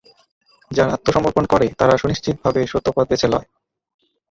যারা আত্মসমর্পণ করে তারা সুনিশ্চিতভাবে সত্য পথ বেছে লয়।